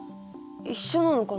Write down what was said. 一緒なのかな？